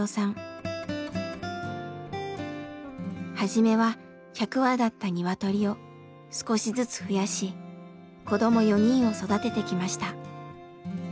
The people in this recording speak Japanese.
初めは１００羽だった鶏を少しずつふやし子ども４人を育ててきました。